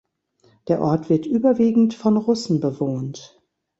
Der Ort wird überwiegend von Russen bewohnt.